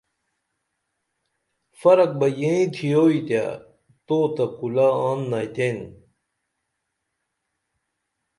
فرق بہ یئیں تھیوئی تے تو تہ کُلہ آن نئیتین